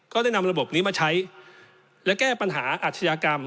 ได้นำระบบนี้มาใช้และแก้ปัญหาอาชญากรรม